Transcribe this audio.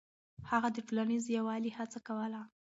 هغه د ټولنيز يووالي هڅه کوله.